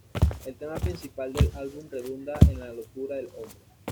El tema principal del álbum redunda en la locura del hombre.